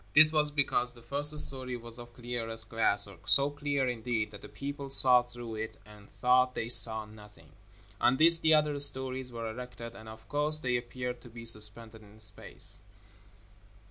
This was because the first story was of clearest glass, so clear, indeed, that the people saw through it and thought they saw nothing. On this the other stories were erected, and, of course, they appeared to be suspended in space.